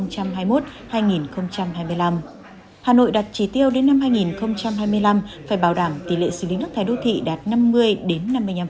hà nội đặt trì tiêu đến năm hai nghìn hai mươi năm phải bảo đảm tỷ lệ xử lý nước thải đô thị đạt năm mươi đến năm mươi năm